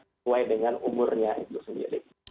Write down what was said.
sesuai dengan umurnya itu sendiri